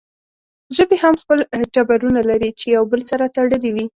ژبې هم خپل ټبرونه لري چې يو بل سره تړلې وي